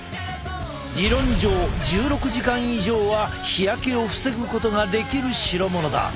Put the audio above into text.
理論上１６時間以上は日焼けを防ぐことができる代物だ。